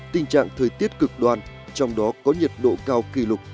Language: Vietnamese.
tình trạng thời tiết cực đoan trong đó có nhiệt độ cao kỷ lục